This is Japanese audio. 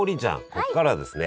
ここからはですね